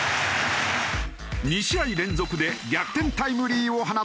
２試合連続で逆転タイムリーを放った吉田。